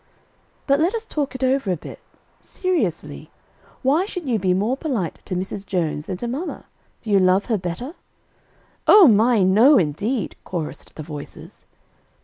"But let us talk it over a bit. Seriously, why should you be more polite to Mrs. Jones than to mamma? Do you love her better?" "O my! no indeed," chorused the voices.